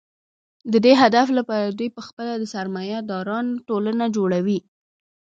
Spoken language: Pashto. د دې هدف لپاره دوی په خپله د سرمایه دارانو ټولنه جوړوي